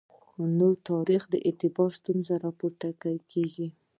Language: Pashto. نو د تاریخ د اعتبار ستونزه راپورته کېږي.